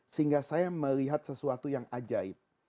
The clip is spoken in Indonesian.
sehingga saya melihat sesuatu yang ajaib